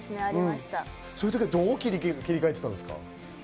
そういう時はどう切り替えていたんですか？